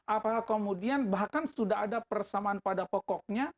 apakah kemudian bahkan sudah ada persamaan pada pokoknya